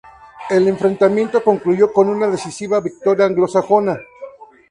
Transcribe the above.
El enfrentamiento concluyó con una decisiva victoria anglosajona.